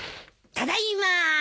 ただいま。